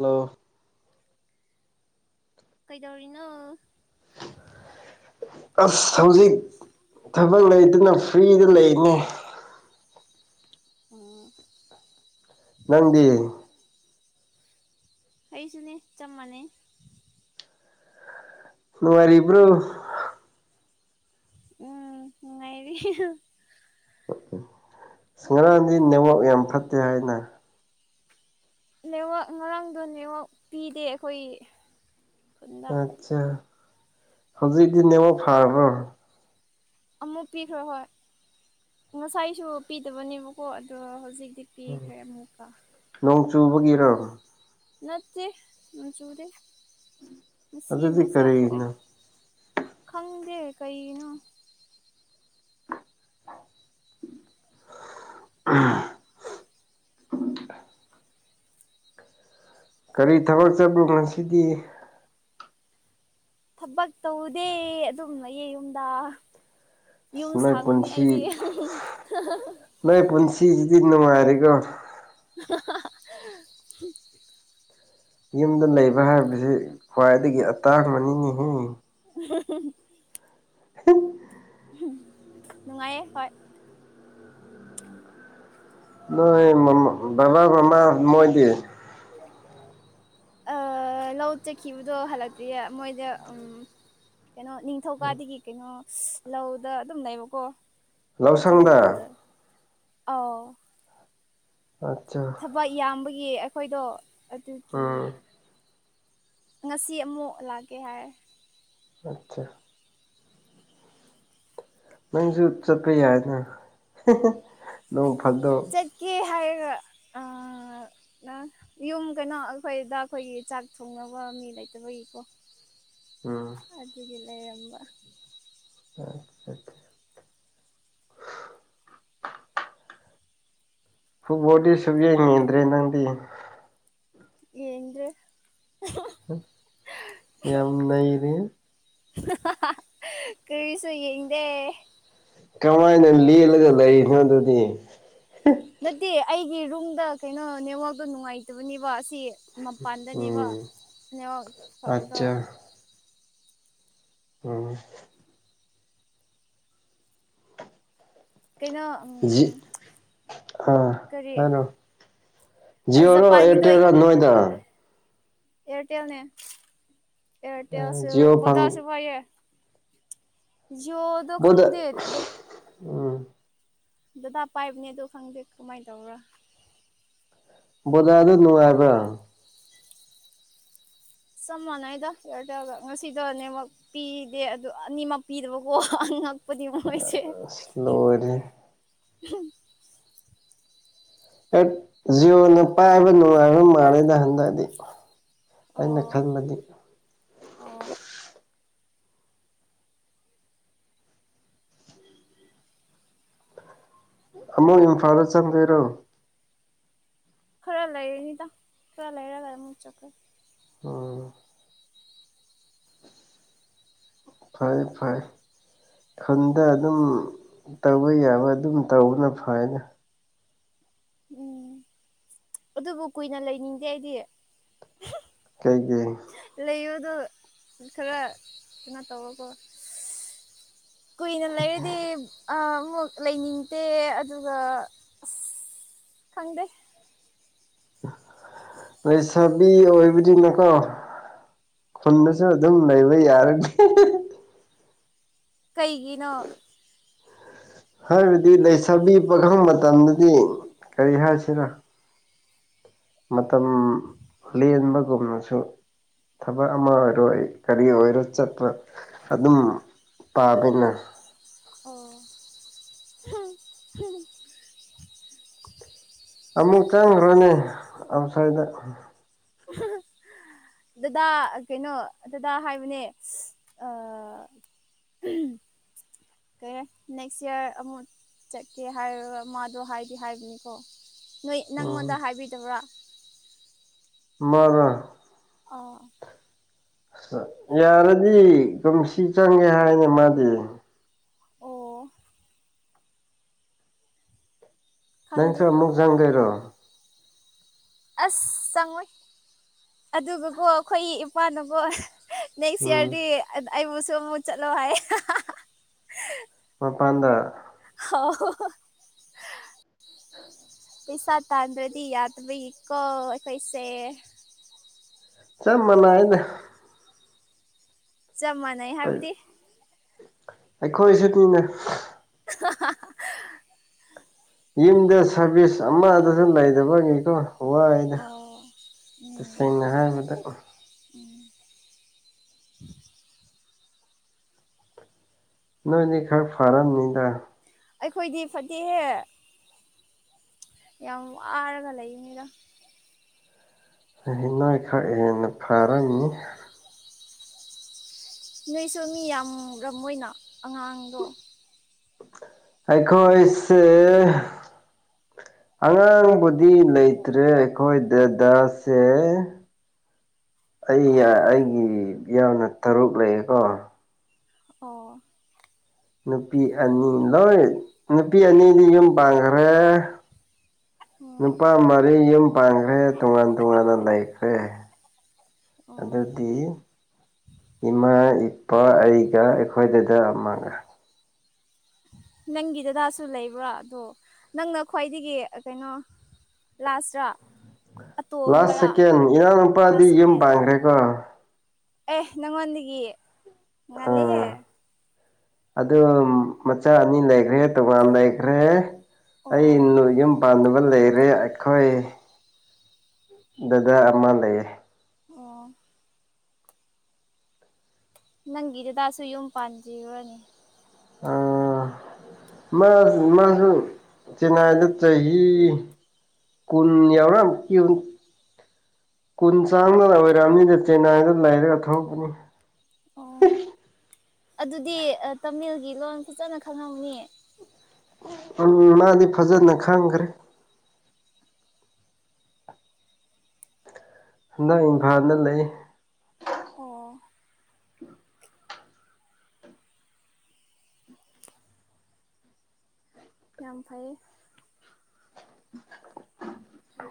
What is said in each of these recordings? hello ꯀꯩꯗꯧꯔꯤꯅꯣ ꯑꯁ ꯍꯧꯖꯤꯛ ꯊꯕꯛ ꯂꯩꯇꯅ ꯐ꯭ꯔꯤꯗ ꯂꯩꯅꯦ ꯑ ꯅꯪꯗꯤ ꯑꯩꯁꯨꯅꯦ ꯆꯞ ꯃꯥꯟꯅꯩ ꯅꯨꯡꯉꯥꯏꯔꯤꯕꯔꯣ ꯎꯝ ꯅꯨꯡꯉꯥꯏꯔꯤ ꯎ ꯎꯝ ꯉꯔꯥꯡꯗꯤ ꯅꯦꯠꯋꯥꯛ ꯌꯥꯝ ꯐꯠꯇꯦ ꯍꯥꯏꯅ ꯅꯦꯋꯥꯛ ꯉꯔꯥꯡꯗꯣ ꯅꯦꯋꯥꯛ ꯄꯤꯗꯦ ꯑꯩꯈꯣꯏꯒꯤ ꯑꯠꯆꯥꯥ ꯍꯧꯖꯤꯛꯗꯤ ꯅꯦꯠꯋꯥꯛ ꯐꯥ꯭ꯔꯣ ꯑꯃꯨꯛ ꯄꯤꯈ꯭ꯔꯣ ꯍꯣꯏ ꯉꯁꯥꯏꯁꯨ ꯄꯤꯗꯕꯅꯦꯕꯀꯣ ꯑꯗꯣ ꯍꯧꯖꯤꯛꯇꯤ ꯄꯤꯈꯔꯦ ꯑꯃꯨꯛꯀ ꯅꯣꯡ ꯆꯨꯕꯒꯤꯔꯣ ꯅꯠꯇꯦ ꯅꯣꯡ ꯆꯨꯗꯦ ꯉꯁꯤ ꯑꯗꯨꯗꯤ ꯅꯨꯡꯁꯥ ꯊꯣꯛꯑꯦ ꯀꯔꯤꯅꯣ ꯈꯪꯗꯦ ꯀꯩꯅꯣ ꯑ [inaudible] ꯀꯔꯤ ꯊꯕꯛ ꯆꯠꯄꯔꯣ ꯉꯁꯤꯗꯤ ꯊꯕꯛ ꯇꯧꯗꯦ ꯑꯗꯨꯝ ꯂꯩꯌꯦ ꯌꯨꯝꯗ ꯑꯁ ꯌꯨꯝ ꯅꯣꯏ ꯁꯪꯕꯅꯦ ꯄꯨꯟꯁꯤ ꯑꯩꯗꯤ ꯅꯣꯏ ꯄꯨꯟꯁꯤꯁꯤꯗꯤ ꯅꯨꯡꯉꯥꯏꯔꯦꯀꯣ [unintelligible] [inaudible] ꯌꯨꯝꯗ ꯂꯩꯕ ꯍꯥꯏꯕꯁꯤ ꯈ꯭ꯋꯥꯏꯗꯒꯤ ꯑꯇꯥꯡꯕꯅꯤꯅꯤꯍꯦ [inaudible] [inaudible] ꯅꯨꯡꯉꯥꯏꯌꯦ ꯍꯣꯏ ꯅꯣꯏ ꯃ ꯕꯥ ꯃꯃꯥ ꯃꯣꯏꯗꯤ ꯂꯧ ꯆꯠꯈꯤꯕꯗꯣ ꯍꯜꯂꯛꯇꯤꯦ ꯃꯣꯏꯗ ꯀꯩꯅꯣ ꯅꯤꯡ ꯅꯤꯡ ꯊꯧꯀꯥꯗꯤꯗꯒꯤ ꯀꯩꯅꯣ ꯂꯧꯗ ꯑꯗꯨꯝ ꯂꯩꯕꯀꯣ ꯂꯧꯁꯪꯗ ꯆꯔꯒ ꯑꯥꯎ ꯑꯆꯥ ꯕ ꯏꯌꯥꯝꯕꯒꯤ ꯑꯩꯈꯣꯏꯗꯣ ꯑꯗꯨꯒꯤ ꯎꯝ ꯉꯁꯤ ꯑꯃꯨꯛ ꯂꯥꯛꯀꯦ ꯍꯥꯏꯔꯦ ꯑꯆꯥ ꯅꯪꯁꯨ ꯆꯠꯄ ꯌꯥꯏꯅ ꯅꯣꯡ ꯐꯗꯣꯛ ꯆꯠꯀꯤ ꯍꯥꯏꯒ ꯌꯨꯝ ꯀꯩꯅꯣ ꯑꯩꯈꯣꯏꯗ ꯑꯩꯈꯣꯏꯒꯤ ꯆꯥꯛ ꯊꯣꯡꯅꯕ ꯃꯤ ꯂꯩꯇꯕꯒꯤꯀꯣ ꯎꯝ ꯑꯗꯨꯒꯤ ꯂꯩꯔꯝꯕ ꯑꯠ ꯐꯨꯕꯣꯗꯤ ꯁꯨꯪꯌꯦꯡ ꯌꯦꯡꯗ꯭ꯔꯦ ꯅꯪꯗꯤ ꯌꯦꯪꯗꯔꯦ ꯌꯥꯝ ꯅ ꯀꯔꯤꯁꯨ ꯌꯦꯡꯗꯦ ꯀꯃꯥꯏꯅ ꯂꯦꯜꯂꯒ ꯂꯩꯔꯤꯅꯣ ꯑꯗꯨꯗꯤ ꯅꯠꯇꯦ ꯑꯩꯒꯤ ꯔꯨꯝꯗ ꯀꯩꯅꯣ ꯅꯦꯠꯋꯥꯛꯇꯣ ꯅꯨꯡꯉꯥꯏꯇꯕꯅꯦꯕ ꯑꯁꯤ ꯃꯄꯥꯟꯗꯅꯦꯕ ꯎꯝ ꯅꯦꯠꯋꯔꯛ ꯐꯕꯗꯣ ꯑꯠꯆꯥ ꯑꯣꯝ ꯀꯩꯅꯣ ꯑꯥ ꯀꯔꯤ ꯍꯅꯣ ꯖꯤꯑꯣꯔꯣ ꯖꯄꯥꯟꯒꯤꯗꯣ ꯑꯦꯌꯥꯔꯇꯦꯜ ꯔ ꯅꯣꯏꯗ ꯑꯦꯔꯇꯦꯜꯅꯦ ꯑꯦꯔꯇꯦꯜꯁꯨ ꯖꯤꯑꯣ ꯐꯪ ꯕꯣꯗꯥꯁꯨ ꯐꯏ ꯖꯤꯌꯨ ꯃꯗ ꯎꯝ ꯗꯗꯥ ꯄꯥꯏꯞꯅꯦꯗꯣ ꯈꯪꯗꯦ ꯀꯃꯥꯏꯅ ꯇꯧꯕꯔꯥ ꯕꯣꯖꯥꯗꯨ ꯅꯨꯡꯉꯥꯏꯕ꯭ꯔꯥ ꯁꯃꯅ ꯏꯗꯔꯇ ꯉꯁꯤꯗꯅꯦ ꯄꯤꯗꯦ ꯑꯗꯨ ꯑꯅꯤꯃꯛ ꯄꯤꯗꯕꯀꯣ ꯗꯤ ꯋꯥꯣꯏ ꯑꯁ ꯂꯣꯏꯔꯦꯍꯦ ꯍ ꯖꯤꯣꯅ ꯄꯥꯏꯕ ꯅꯨꯡꯉꯥꯏꯕ ꯃꯥꯜꯂꯦꯗ ꯍꯟꯗꯛꯗꯤ ꯑꯩꯅ ꯑꯣ ꯈꯟꯕꯗꯤ ꯑꯣ ꯑꯃꯨꯛ ꯏꯝꯐꯥꯜꯗ ꯆꯟꯕꯤꯔꯣ ꯈꯔ ꯂꯩꯔꯅꯤꯗ ꯈꯔ ꯂꯩꯔꯒ ꯑꯃꯨꯛ ꯆꯠꯈ꯭ꯔꯦ ꯎꯝ ꯐꯔꯦ ꯐꯔꯦ ꯈꯨꯟꯗ ꯑꯗꯨꯝ ꯇꯧꯕ ꯌꯥꯕ ꯑꯗꯨꯝ ꯇꯧꯕꯅ ꯐꯩꯅ ꯎꯝ ꯑꯗꯨꯕꯨ ꯀꯨꯏꯅ ꯂꯩꯅꯤꯡꯗꯦ ꯑꯩꯗꯤ ꯀꯩꯒꯤ ꯂꯩꯕꯗꯣ ꯈꯔ ꯀꯩꯅꯣ ꯇꯧꯋꯀꯣ ꯀꯨꯏꯅ ꯂꯩꯔꯗꯤ ꯑꯃꯨꯛ ꯂꯩꯅꯤꯡꯗꯦ ꯑꯗꯨꯒ ꯑꯁ ꯈꯪꯗꯦ ꯂꯩꯁꯥꯕꯤ ꯑꯣꯏꯕꯅꯤꯅꯀꯣ ꯍꯨꯟꯟꯅꯁꯨ ꯑꯗꯨꯝ ꯂꯩꯕ ꯌꯥꯔꯅꯤꯅꯤ ꯀꯩꯒꯤꯅꯣ ꯍꯥꯏꯕꯗꯤ ꯂꯩꯁꯥꯕꯤ ꯄꯥꯈꯪ ꯃꯇꯝꯗꯗꯤ ꯀꯔꯤ ꯍꯥꯏꯁꯤꯔꯥ ꯃꯇꯝ ꯂꯦꯟꯕꯒꯨꯝꯅꯁꯨ ꯊꯕꯛ ꯑꯃ ꯑꯣꯏꯔꯣꯏ ꯀꯔꯤ ꯑꯣꯏꯔꯣ ꯆꯠꯄ ꯑꯗꯨꯝ ꯄꯥꯕꯅꯤꯅ ꯑꯣ ꯑꯃꯨꯛ ꯆꯪꯈ꯭ꯔꯅꯦ ꯑꯥꯎꯠꯁꯥꯏꯗ ꯎ ꯗꯗꯥ ꯀꯩꯅꯣ ꯗꯗꯥ ꯍꯥꯏꯕꯅꯦ ꯎꯝ ꯀꯩ ꯅꯦꯛꯁ ꯏꯌꯥꯔ ꯑꯃꯨꯛ ꯆꯠꯀꯦ ꯍꯥꯏꯔ ꯃꯥꯗꯣ ꯍꯥꯏꯗꯤ ꯍꯥꯏꯕꯅꯤꯀꯣ ꯅꯣꯏ ꯅꯪꯉꯣꯟꯗ ꯎꯝ ꯍꯥꯏꯕꯤꯗꯕ꯭ꯔꯥ ꯃꯥꯅꯦ ꯑꯥ ꯌꯥꯔꯗꯤ ꯀꯨꯝꯁꯤ ꯆꯪꯒꯦ ꯍꯥꯏꯅꯦ ꯃꯥꯗꯤ ꯑꯣ ꯅꯪ ꯈꯪꯗꯦ ꯁꯔ ꯃꯨꯛꯖꯥꯡꯒꯩꯔꯣ ꯑꯁ ꯆꯪꯉꯣꯏ ꯑꯗꯨꯒꯀꯣ ꯑꯩꯈꯣꯏ ꯏꯄꯥꯅꯀꯣ ꯅꯦꯛꯁ ꯎꯝ ꯏꯌꯥꯔꯗꯤ ꯑꯩꯕꯨꯁꯨ ꯑꯃꯨꯛ ꯆꯠꯂꯣ ꯍꯥꯏ ꯃꯄꯥꯟꯗ ꯍ ꯍꯣ ꯄꯩꯁꯥ ꯇꯥꯟꯗ꯭ꯔꯗꯤ ꯌꯥꯗꯕꯒꯤꯀꯣ ꯑꯩꯈꯣꯢꯁꯦ ꯆꯞ ꯃꯅꯥꯢꯗ ꯆꯞ ꯃꯥꯟꯅꯩ ꯍꯥꯏꯕꯗꯤ ꯑꯩꯈꯣꯏꯁꯤꯅꯤꯅꯦ ꯑꯍꯥ ꯍꯥ ꯌꯨꯝꯗ ꯁꯥꯔꯚꯤꯁ ꯑꯃꯗꯁꯨ ꯂꯩꯗꯕꯅꯤꯀꯣ ꯋꯥꯗ ꯑꯣ ꯎꯝ ꯇꯁꯦꯡꯅ ꯍꯥꯏꯔꯕꯗ ꯎꯝ ꯅꯣꯏꯗꯤ ꯈꯔ ꯐꯔꯝꯅꯤꯗ ꯑꯩꯈꯣꯏꯗꯤ ꯐꯠꯇꯦꯛꯍꯦ ꯌꯥꯝ ꯋꯥꯔꯒ ꯂꯩꯅꯤꯗ ꯍꯤꯅꯥꯏꯈꯛ ꯍꯦꯟꯅ ꯐꯔꯝꯅꯤ ꯅꯣꯏꯁꯨ ꯃꯤ ꯌꯥꯝ ꯃꯔ ꯑꯣꯏꯅ ꯑꯉꯥꯡꯗꯣ ꯑꯩꯈꯣꯏꯁꯦ ꯑꯉꯥꯡꯕꯨꯗꯤ ꯂꯩꯇ꯭ꯔꯦ ꯑꯩꯈꯣꯏꯗꯗꯁꯦ [unintelligible] ꯑꯩ ꯑꯩꯒꯤ ꯌꯥꯝꯅ ꯇꯔꯨꯛ ꯂꯩꯌꯦꯀꯣ ꯑꯣ ꯅꯨꯄꯤ ꯑꯅꯤ ꯂꯣꯏ ꯅꯨꯄꯤ ꯑꯅꯤꯗꯤ ꯌꯨꯝ ꯄꯥꯡꯈ꯭ꯔꯦ ꯎꯝ ꯅꯨꯄꯥ ꯃꯔꯤ ꯌꯨꯝ ꯄꯥꯟꯈ꯭ꯔꯦ ꯇꯣꯉꯥꯟ ꯇꯣꯉꯥꯟꯅ ꯂꯩꯈ꯭ꯔꯦ ꯑꯣ ꯑꯗꯨꯗꯤ ꯏꯃꯥ ꯏꯄꯥ ꯑꯩꯒ ꯑꯩꯈꯣꯏꯗꯗ ꯑꯃꯒ ꯅꯪꯒꯤ ꯗꯗꯥꯁꯨ ꯂꯩꯕ꯭ꯔꯥ ꯑꯗꯣ ꯅꯪꯅ ꯈ꯭ꯋꯥꯏꯗꯒꯤ ꯀꯩꯅꯣ ꯂꯥꯁ꯭ꯔꯥ ꯂꯥꯁ ꯁꯦꯀꯦꯟ ꯏꯅꯥꯎ ꯂꯥꯁ ꯅꯨꯄꯥꯗꯤ ꯌꯨꯝ ꯁꯦꯀꯦꯟ ꯄꯥꯡꯈ꯭ꯔꯦꯀꯣ ꯑꯦ ꯅꯪꯉꯣꯟꯗꯒꯤ ꯉꯥꯂꯍꯦ ꯑꯥ ꯑꯗꯨ ꯃꯆꯥ ꯑꯅꯤ ꯂꯩꯈ꯭ꯔꯦ ꯇꯣꯉꯥꯟ ꯂꯩꯈ꯭ꯔꯦ ꯑꯣ ꯑꯩꯅ ꯌꯨꯝ ꯄꯥꯟꯅꯗꯕ ꯂꯩꯔꯦ ꯑꯩꯈꯣꯏ ꯗꯗꯥ ꯑꯃ ꯂꯩꯌꯦ ꯑꯣ ꯅꯪꯒꯤ ꯗꯥꯁꯨ ꯌꯨꯝ ꯄꯥꯟꯗ꯭ꯔꯤꯔꯅꯤ ꯑꯥ ꯃꯥ ꯃꯥꯁꯨ ꯆꯦꯟꯅꯥꯏꯗ ꯆꯍꯤ ꯀꯨꯟ ꯌꯥꯎꯔ ꯀ ꯀꯨꯟ ꯆꯥꯡꯗꯅ ꯑꯣꯏꯔꯅꯤꯗ ꯆꯦꯟꯅꯥꯏꯗ ꯂꯩꯔꯒ ꯊꯣꯛꯄꯅꯤ ꯑꯣ ꯑꯗꯨꯗꯤ ꯇꯥꯃꯤꯜꯒꯤ ꯂꯣꯟ ꯐꯖꯅ ꯈꯪꯉꯧꯅꯤ ꯑꯗꯨꯅꯥꯗꯤ ꯐꯖꯅ ꯈꯥꯡꯈ꯭ꯔꯦ ꯍꯟꯗꯛ ꯏꯝꯐꯥꯜꯗ ꯂꯩ ꯑꯣ ꯌꯥꯝ ꯐꯩꯌꯦ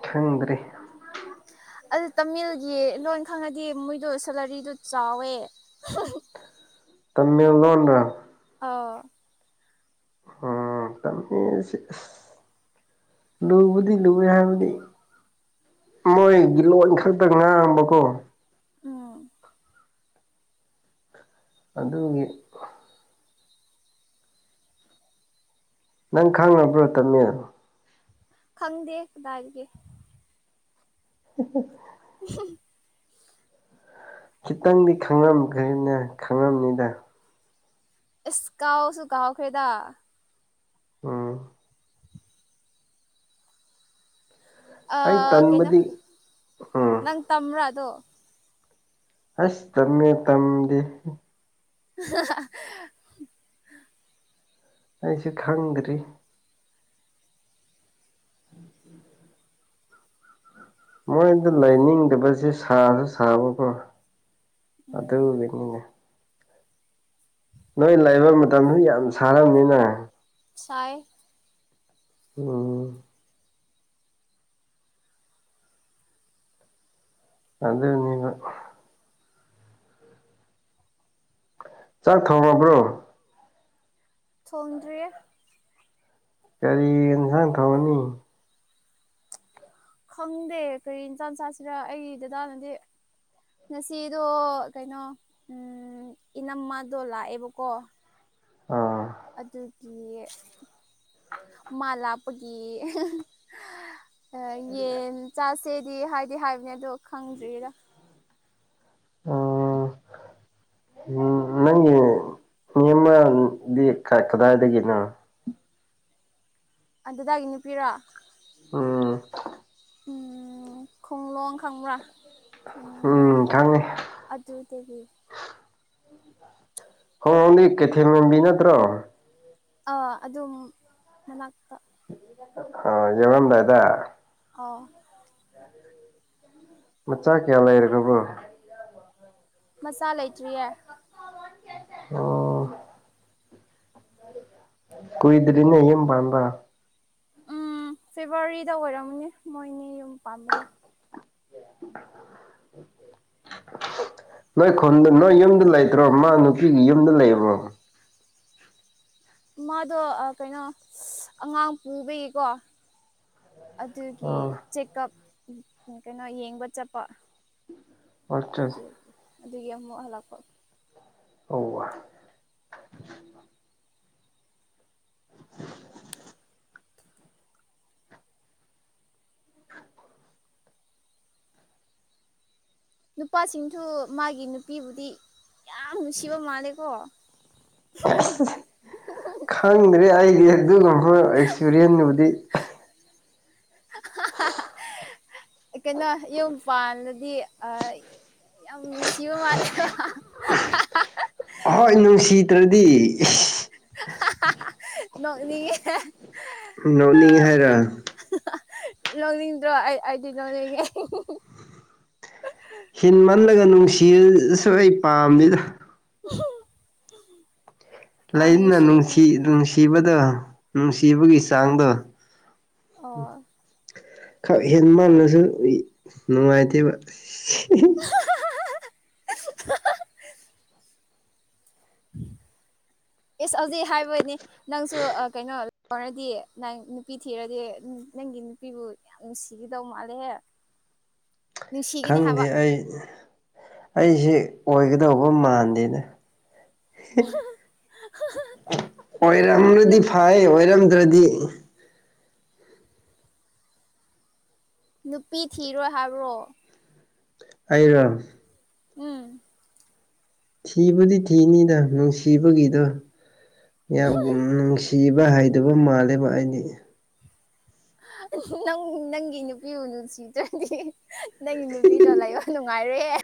ꯊꯪꯗ꯭ꯔꯤ ꯑꯗꯨ ꯇꯥꯃꯤꯜꯒꯤ ꯅꯣꯏꯅ ꯈꯪꯉꯗꯤ ꯃꯣꯏꯗꯣ ꯁꯦꯂꯔꯤꯗꯣ ꯆꯥꯎꯋꯦ ꯇꯃꯤꯜ ꯂꯣꯟꯔ ꯑꯧ ꯎꯝ ꯇꯃꯦ ꯂꯨꯕꯨꯗꯤ ꯂꯨꯏꯌꯦ ꯍꯥꯏꯕꯗꯤ ꯃꯣꯏꯒꯤ ꯂꯣꯟ ꯈꯛꯇ ꯉꯥꯡꯕꯀꯣ ꯎꯝ ꯑꯗꯨꯒꯤ ꯅꯪ ꯈꯥꯡꯕ꯭ꯔꯣ ꯇꯝꯃꯦꯡꯂ ꯈꯪꯗꯦ ꯀꯗꯥꯏꯒꯦ ꯎ ꯎ ꯈꯤꯇꯪꯗꯤ ꯈꯪꯉꯝꯈ꯭ꯔꯦꯅꯦ ꯈꯪꯉꯝꯅꯤꯗ ꯑꯁ ꯀꯥꯎꯁꯨ ꯀꯥꯎꯈ꯭ꯔꯦꯗ ꯎꯝ ꯑꯩ ꯀꯩꯅꯣ ꯇꯟꯕꯗꯤ ꯎꯝ ꯅꯪ ꯇꯝꯕ꯭ꯔꯥ ꯑꯗꯣ ꯑꯁ ꯇꯃꯦ ꯇꯝꯗꯤꯦ ꯑ ꯑꯩꯁꯨ ꯈꯪꯗ꯭ꯔꯤ ꯃꯣꯏꯗ ꯂꯩꯅꯤꯡꯗꯕꯁꯦ ꯁꯥꯁꯨ ꯁꯥꯕꯀꯣ ꯎꯝ ꯑꯗꯨꯒꯤꯅꯤꯅꯦ ꯅꯣꯏ ꯂꯩꯕ ꯃꯇꯝꯁꯨ ꯌꯥꯝ ꯁꯥꯔꯝꯅꯤꯅ ꯁꯥꯏ ꯎꯝ ꯑꯗꯨꯗꯅꯤꯕ ꯆꯥꯛ ꯊꯣꯡꯔꯕ꯭ꯔꯣ ꯊꯣꯡꯗ꯭ꯔꯦ ꯀꯒꯥꯔꯤ ꯏꯟꯁꯥꯡ ꯊꯣꯡꯉꯅꯤ ꯈꯪꯗꯦ ꯀꯩ ꯏꯟꯆꯥ ꯆꯥꯁꯤꯔ ꯑꯩꯒꯤ ꯗꯗꯥꯅꯗꯤ ꯉꯁꯤꯗꯣ ꯀꯩꯅꯣ ꯏꯅꯝꯃꯗꯣ ꯂꯥꯛꯑꯦꯕꯀꯣ ꯎꯝ ꯑꯗꯨꯒꯤ ꯃꯥ ꯂꯥꯞꯄꯒꯤ ꯌꯦꯟ ꯆꯥꯁꯦꯗꯤ ꯍꯥꯏꯗꯤ ꯍꯥꯏꯕꯅꯦ ꯑꯗꯣ ꯈꯪꯗ꯭ꯔꯤꯔ ꯎ ꯎ ꯅꯪꯒꯤ ꯅ ꯀꯗꯥꯏꯗꯒꯤꯅꯣ ꯑꯗꯨꯗꯒꯤ ꯅꯨꯄꯤꯔꯣ ꯎꯝ ꯎ ꯈꯣꯡꯂꯣꯡ ꯈꯪꯕ꯭ꯔꯥ ꯈꯨꯡꯂꯣꯡ ꯎꯝ ꯈꯪꯉꯦ ꯑꯗꯨꯗꯒꯤ ꯍꯣꯏ ꯑꯣꯡꯂꯤ ꯀꯦꯊꯦꯝ ꯃꯦꯝꯕꯤ ꯅꯠꯇ꯭ꯔꯣ ꯑꯗꯨꯝ ꯃꯅꯥꯛꯇ ꯑ ꯌꯦꯃꯝꯕꯏꯗ ꯑꯥꯎ ꯃꯆꯥ ꯀꯌꯥ ꯂꯩꯔꯕ꯭ꯔꯣ ꯃꯆꯥ ꯂꯩꯇ꯭ꯔꯤꯌꯦ ꯑꯣ ꯀꯣꯏ ꯏꯗꯔꯤꯅꯦ ꯏꯝ ꯄꯥꯟꯗꯥ ꯎꯝ ꯐꯦꯕꯋꯥꯔꯤꯗ ꯑꯣꯏꯔꯝꯃꯅꯦ ꯃꯣꯏꯅꯦ ꯌꯨꯝ ꯄꯥꯝꯕꯗꯣ ꯅꯣꯏ ꯈꯨꯟꯗ ꯅꯣꯏ ꯌꯨꯝꯗ ꯂꯩꯇ꯭ꯔꯣ ꯃꯥ ꯅꯨ ꯑꯩꯒꯤ ꯌꯨꯝꯗ ꯂꯩꯔꯕ꯭ꯔꯣ ꯃꯥꯗꯣ ꯀꯩꯅꯣ ꯑꯉꯥꯡ ꯄꯨꯕꯒꯤꯀꯣ ꯑꯗꯨꯒꯤ ꯑ ꯆꯦꯛꯑꯞ ꯀꯩꯅꯣ ꯌꯦꯡꯕ ꯆꯠꯄ ꯑꯗꯨ ꯑꯗꯨꯗꯤ ꯑꯗꯨꯒꯤ ꯑꯃꯨꯛ ꯍꯥꯂꯛꯄꯣ ꯑꯧ [unintelligible] ꯅꯨꯄꯥꯁꯤꯡꯁꯨ ꯃꯥꯒꯤ ꯅꯨꯄꯤꯕꯨꯗꯤ ꯌꯥꯝ ꯅꯨꯡꯁꯤꯕ ꯃꯥꯜꯂꯦꯀꯣ ꯑꯁ ꯈꯪꯗ꯭ꯔꯦ ꯑꯩꯗꯤ ꯑꯗꯨꯒꯨꯝꯕ ꯑꯦꯛꯁꯄꯤꯔꯤꯌꯦꯟꯗꯨꯕꯨꯗꯤ ꯀꯩꯅꯣ ꯌꯨꯝ ꯄꯥꯟꯜꯂꯗꯤ ꯑ ꯌꯥꯝ ꯅꯨꯡꯁꯤꯕ ꯃꯥꯜꯂꯦꯕ ꯍꯣꯏ ꯅꯨꯡꯁꯤꯗ꯭ꯔꯗꯤ ꯅꯣꯡꯅꯤ ꯅꯣꯛꯅꯤ ꯍꯥꯏꯔ ꯂꯧꯅꯤꯡꯗ꯭ꯔꯣ ꯑꯩ ꯑꯩꯗꯤ ꯂꯧꯅꯤꯡꯉꯦ ꯍꯤꯟꯃꯜꯂꯒ ꯅꯨꯡꯁꯤꯁꯨ ꯑꯩ ꯄꯥꯝꯃꯤꯗ ꯎ ꯂꯩꯅ ꯅꯨꯡꯁꯤ ꯅꯨꯡꯁꯤ ꯅꯨꯡ ꯁꯤꯕꯗ ꯅꯨꯡꯁꯤꯕꯒꯤ ꯆꯥꯡꯗꯣ ꯑꯣ ꯈꯔ ꯍꯦ ꯃꯥꯡꯂꯁꯨ ꯅꯨꯡꯉꯥꯏꯇꯦꯕ ꯑꯦꯁ ꯍꯧꯖꯤꯛ ꯍꯥꯏꯕꯣꯏꯅꯦ ꯅꯪꯁꯨ ꯀꯩꯅꯣ ꯂꯧꯔꯗꯤ ꯅꯪ ꯅꯨꯄꯤ ꯊꯤꯔꯗꯤ ꯅꯪꯒꯤ ꯅꯨꯄꯤꯕꯨ ꯃꯤꯅꯨꯡꯁꯤꯈꯤꯗꯧ ꯃꯥꯂꯦꯍꯦ ꯈꯪꯗꯦ ꯑꯩ ꯑꯩꯁꯦ ꯑꯣꯏꯒꯗꯧꯕ ꯃꯥꯟꯗꯦꯅꯦ ꯑꯣꯏꯔꯝ꯭ꯔꯗꯤ ꯐꯩ ꯑꯣꯏꯔꯝꯗ꯭ꯔꯗꯤ ꯅꯨꯄꯤ ꯊꯤꯔꯣꯏ ꯍꯥꯏꯕ꯭ꯔꯣ ꯑꯩꯅ ꯎꯝ ꯊꯤꯕꯨꯗꯤ ꯊꯤꯅꯤꯗ ꯅꯨꯡꯁꯤꯕꯒꯤꯗꯣ ꯌꯥꯝ ꯅꯨꯡꯁꯤꯕ ꯍꯥꯏ ꯑꯗꯨꯒ ꯃꯥꯜꯜꯂꯤꯕ ꯑꯩꯗꯤ ꯅꯪꯒꯤ ꯅꯨꯄꯤꯕꯨ ꯅꯨꯡꯁꯤꯗ꯭ꯔꯗꯤ ꯅꯪꯒꯤ ꯅꯨꯄꯤꯗꯣ ꯂꯥꯏꯑꯣꯡ ꯅꯨꯡꯉꯥꯏꯔꯦ